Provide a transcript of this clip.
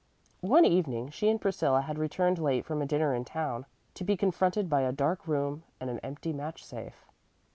One evening she and Priscilla had returned late from a dinner in town, to be confronted by a dark room and an empty match safe.